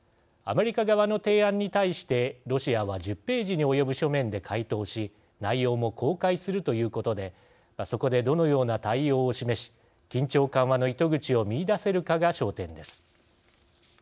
アメリカ側の提案に対してロシアは１０ページに及ぶ書面で回答し内容も公開するということでそこで、どのような対応を示し緊張緩和の糸口を見いだせるかが焦点です。